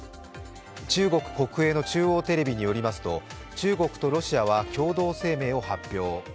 中国国営の中央テレビによりますと、中国とロシアは共同声明を発表。